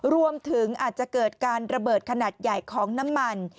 รวมถึงอาจจะเกิดการระเบิดขนาดใหญ่ของน้ำมัน